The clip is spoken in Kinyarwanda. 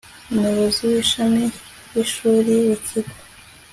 umuyobozi w ishami uw ishuri uw ikigo